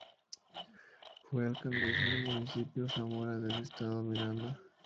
Fue alcaldesa del Municipio Zamora del Estado Miranda.